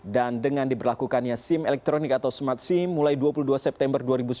dan dengan diberlakukannya sim elektronik atau smart sim mulai dua puluh dua september dua ribu sembilan belas